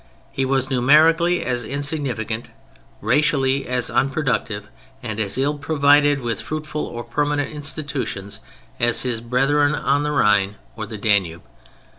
He was numerically as insignificant, racially as unproductive and as ill provided with fruitful or permanent institutions as his brethren on the Rhine or the Danube.